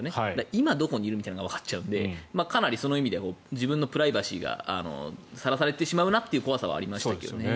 今どこにいるみたいなのがわかっちゃうのでその意味では自分のプライバシーがさらされてしまう怖さはありましたよね。